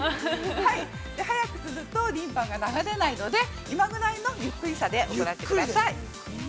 ◆早くするとリンパが流れないので今ぐらいのゆっくりで行ってください。